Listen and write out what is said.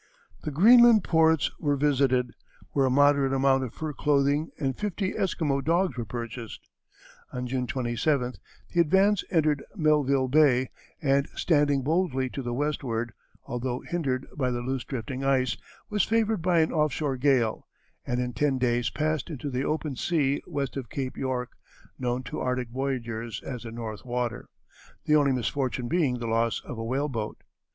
The Greenland ports were visited, where a moderate amount of fur clothing and fifty Esquimau dogs were purchased. On June 27th the Advance entered Melville Bay, and standing boldly to the westward, although hindered by the loose drifting ice, was favored by an offshore gale, and in ten days passed into the open sea west of Cape York, known to Arctic voyagers as the "North Water," the only misfortune being the loss of a whaleboat.